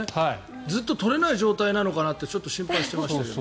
ずっと取れない状態なのかなって心配してましたけど。